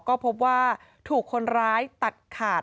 ก็พบว่าถูกคนร้ายตัดขาด